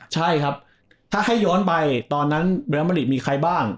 ใช่ครับถ้าให้ย้อนไปตอนนั้นเรียลมาริมีใครบ้าง